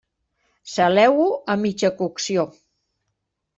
Saleu-ho a mitja cocció.